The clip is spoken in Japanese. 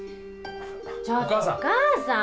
ちょっとお母さん。